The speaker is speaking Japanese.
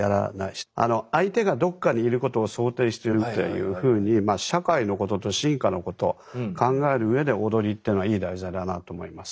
相手がどっかにいることを想定してるっていうふうにまあ社会のことと進化のこと考える上で踊りっていうのはいい題材だなあと思います。